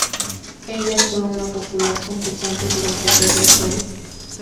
Ella fue una popular concursante durante todo el show.